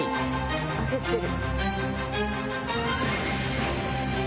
焦ってる。